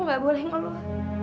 aku gak boleh ngeluh